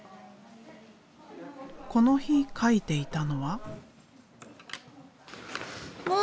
この日描いていたのは。